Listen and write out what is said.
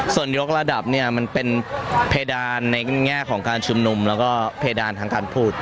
ส่วนยกระดับเนี่ยมันเป็นเพดานในแง่ของการชุมนุมแล้วก็เพดานทางการพูด